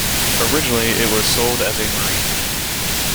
Originally, it was sold as a marine engine.